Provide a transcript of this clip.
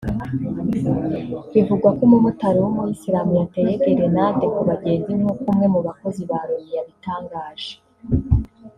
Bivugwa ko umumotari w’Umuyisiramu yateye gerenade ku bagenzi nk’uko umwe mu bakozi ba Loni yabitangaje